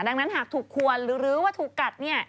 ดังนั้นหากถูกควรหรือว่าถูกกัด